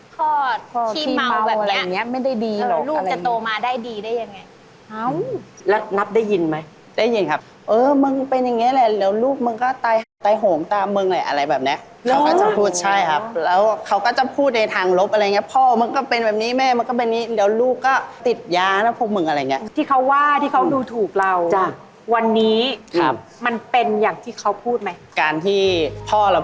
คอที่เมาอะไรอย่างนี้ไม่ได้ดีหรอกอะไรอย่างนี้คอที่เมาอะไรอย่างนี้คอที่เมาอะไรอย่างนี้คอที่เมาอะไรอย่างนี้คอที่เมาอะไรอย่างนี้คอที่เมาอะไรอย่างนี้คอที่เมาอะไรอย่างนี้คอที่เมาอะไรอย่างนี้คอที่เมาอะไรอย่างนี้คอที่เมาอะไรอย่างนี้คอที่เมาอะไรอย่างนี้คอที่เมาอะไรอย่างนี้คอที่เมาอะไรอย่างนี้คอที่เมาอะไรอย่างนี้คอที่เมา